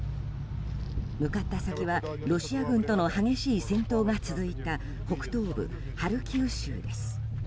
向かった先はロシア軍との激しい戦闘が続いた北東部ハルキウ州です。